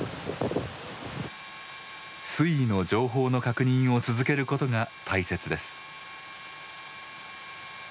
水位の情報の確認を続けることが大切です。